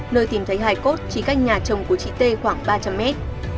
nơi tìm thấy hai cốt chỉ cách nhà chồng của chị t khoảng ba trăm linh mét